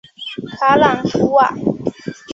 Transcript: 卡朗图瓦。